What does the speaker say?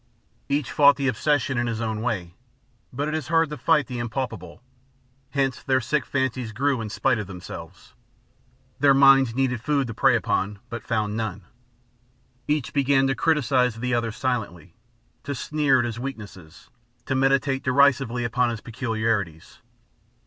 Each fought the obsession in his own way, but it is hard to fight the impalpable, hence their sick fancies grew in spite of themselves. Their minds needed food to prey upon, but found none. Each began to criticize the other silently, to sneer at his weaknesses, to meditate derisively upon his peculiarities.